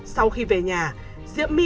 sau khi về nhà diễm my